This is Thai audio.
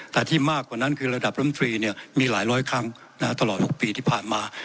แต่ที่มากกว่านั้นคือระดับน้ำตรีมีหลายร้อยครั้งตลอด๖ปีที่ผ่านมา